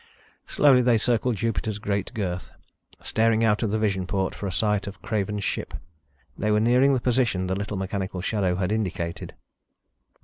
Slowly they circled Jupiter's great girth, staring out of the vision port for a sight of Craven's ship. They were nearing the position the little mechanical shadow had indicated.